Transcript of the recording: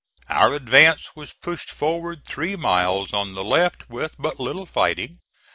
Our advance was pushed forward three miles on the left with but little fighting.